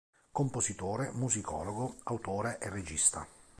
Compositore, musicologo, autore e regista.